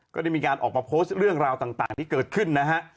ก็ได้มีการออกมาโพสต์เรื่องราวต่างที่เกิดขึ้นนะฮะ